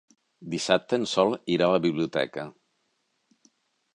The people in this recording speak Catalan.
Dissabte en Sol irà a la biblioteca.